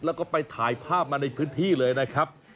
แล้วก็ไปถ่ายภาพมาในพื้นที่เลยนะครับ